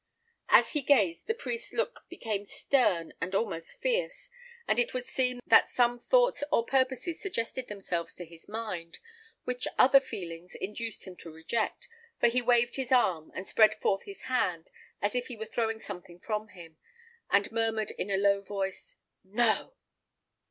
As he gazed, the priest's look became stern and almost fierce; and it would seem that some thoughts or purposes suggested themselves to his mind, which other feelings induced him to reject, for he waved his arm, and spread forth his hand, as if he were throwing something from him, and murmured in a low voice, "No!"